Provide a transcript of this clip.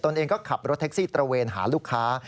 เองก็ขับรถแท็กซี่ตระเวนหาลูกค้า